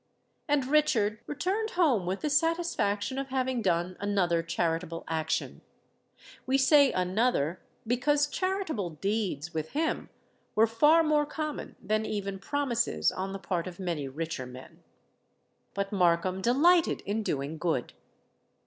And Richard returned home with the satisfaction of having done another charitable action:—we say another, because charitable deeds with him were far more common than even promises on the part of many richer men. But Markham delighted in doing good.